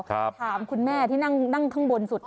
ถามคุณแม่ที่นั่งข้างบนสุด